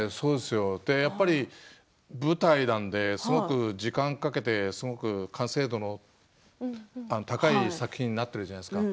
やっぱり舞台なのですごく時間をかけて完成度の高い作品になっているじゃないですか